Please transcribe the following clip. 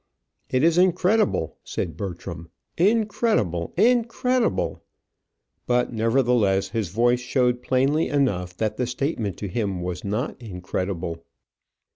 "It is incredible," said Bertram, "incredible, incredible!" But, nevertheless, his voice showed plainly enough that the statement to him was not incredible.